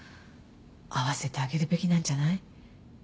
会わせてあげるべきなんじゃない？